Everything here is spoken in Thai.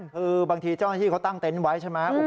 คือบางทีเจ้าหน้าที่เขาตั้งเต็นต์ไว้ใช่ไหม